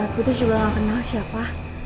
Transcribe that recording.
putri juga gak kenal siapa